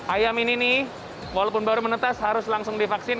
ayam ini nih walaupun baru menetas harus langsung divaksin